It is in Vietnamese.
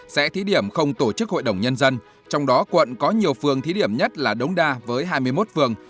sẽ thí điểm không tổ chức hội đồng nhân dân trong đó quận có nhiều phường thí điểm nhất là đống đa với hai mươi một phường